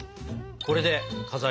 これでさ。